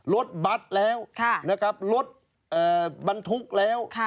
รถบัตรแล้วรถบรรทุกแล้ว